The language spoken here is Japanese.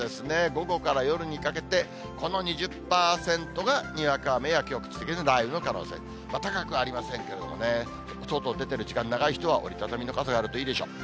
午後から夜にかけて、この２０％がにわか雨や局地的な雷雨の可能性、高くはありませんけれどもね、外出てる時間が長い人は折り畳みの傘があるといいでしょう。